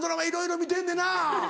いろいろ見てんねんな。